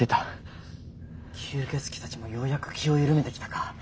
吸血鬼たちもようやく気を緩めてきたか。